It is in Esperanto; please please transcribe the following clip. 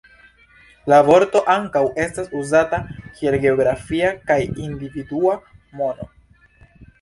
La vorto ankaŭ estas uzata kiel geografia kaj individua nomo.